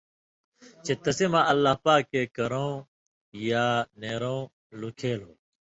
چے تسی مہ اللہ پاکے کرَؤں یاں یا نېرؤں لُکھیل ہو،